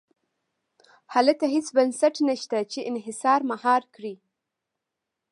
هلته هېڅ بنسټ نه شته چې انحصار مهار کړي.